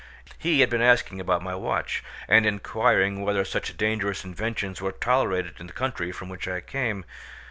He had been asking me about my watch, and enquiring whether such dangerous inventions were tolerated in the country from which I came.